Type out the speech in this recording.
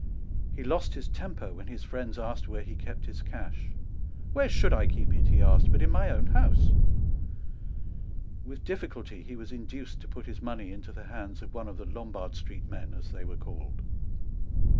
He lost his temper when his friends asked where he kept his cash. "Where should I keep it," he asked, "but in my own house?" With difficulty he was induced to put his money into the hands of one of the Lombard Street men, as they were called.